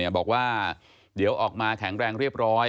บอกว่าเดี๋ยวออกมาแข็งแรงเรียบร้อย